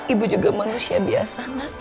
ibu juga manusia biasa nak